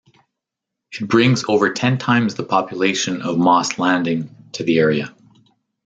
It brings over ten times the population of Moss Landing to the area.